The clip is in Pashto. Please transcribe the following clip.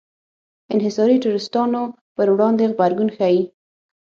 انحصاري ټرستانو پر وړاندې غبرګون ښيي.